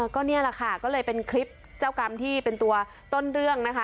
ก็นี่แหละค่ะก็เลยเป็นคลิปเจ้ากรรมที่เป็นตัวต้นเรื่องนะคะ